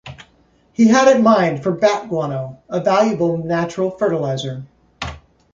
He had it mined for bat guano, a valuable natural fertilizer.